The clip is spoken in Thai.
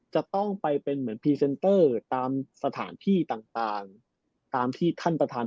จะต้องไปเป็นเหมือนตามสถานที่ต่างต่างตามที่ท่านประธาน